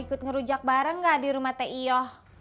ikut ngerujak bareng gak di rumah t i o